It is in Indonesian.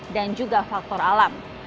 dan faktor alam